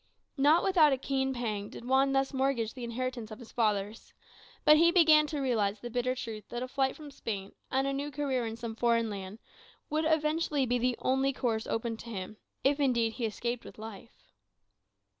Not without a keen pang did Juan thus mortgage the inheritance of his fathers. But he began to realize the bitter truth that a flight from Spain, and a new career in some foreign land, would eventually be the only course open to him if indeed he escaped with life.